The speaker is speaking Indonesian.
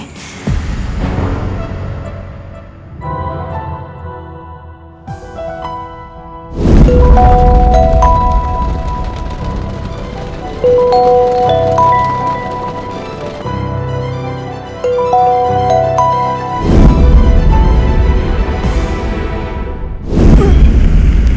langsung tau deh apa mas